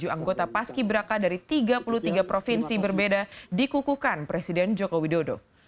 tujuh anggota paski beraka dari tiga puluh tiga provinsi berbeda dikukuhkan presiden joko widodo